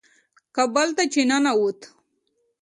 کابل ته چې ننوتو.